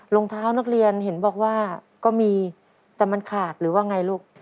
รองเท้านักเรียนเห็นบอกว่าก็มีแต่มันขาดหรือว่าไงลูก